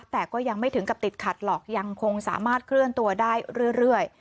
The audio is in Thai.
แต่ก็ยังไม่ถึงกับติดขัดหรอกยังคงสามารถเคลื่อนตัวได้เรื่อย